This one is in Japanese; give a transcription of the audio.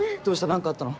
何かあったの？